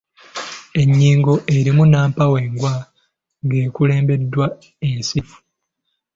Ennyingo erimu nnampawengwa ng’ekulembeddwa ensirifu.